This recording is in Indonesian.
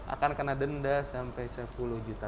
akan kena denda sampai sepuluh juta